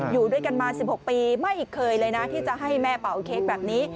อยู่ด้วยกันมา๑๖ปีไม่เคยเลยนะที่จะให้แม่เป่าเค้กแบบนี้